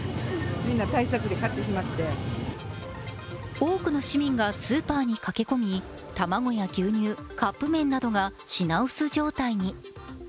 多くの市民がスーパーに駆け込み、卵や牛乳、カップ麺などが品薄状態に。